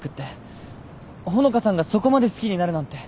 穂香さんがそこまで好きになるなんて。